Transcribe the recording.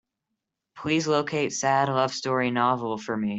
Please locate Sad Love Story novel for me.